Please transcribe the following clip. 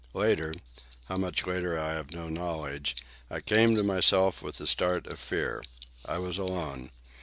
Later,—how much later I have no knowledge,—I came to myself with a start of fear. I was alone.